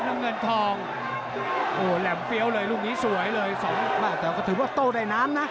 น้ำเงินทองโอ้โหแหลมเฟี้ยวเลยลูกนี้สวยเลยสองแม่แต่ก็ถือว่าโต้ได้น้ำนะ